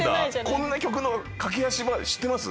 こんな曲の駆け足知ってます？